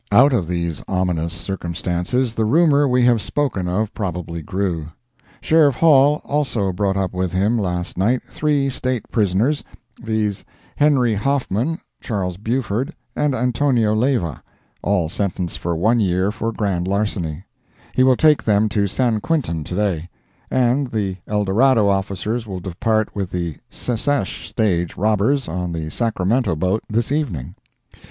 Out of these ominous circumstances the rumor we have spoken of probably grew. Sheriff Hall also brought up with him last night three State prisoners, viz: Henry Hoffman, Charles Buford and Antonio Leiva, all sentenced for one year for grand larceny; he will take them to San Quentin to day, and the El Dorado officers will depart with the Secesh stage robbers on the Sacramento boat this evening.